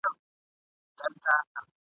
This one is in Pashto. پر هر میدان دي بری په شور دی ..